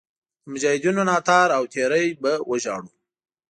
د مجاهدینو ناتار او تېری به وژاړو.